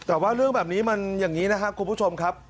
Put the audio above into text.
แต่ว่าเรื่องแบบนี้มันอย่างนี้นะครับคุณผู้ชมครับ